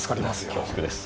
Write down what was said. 恐縮です。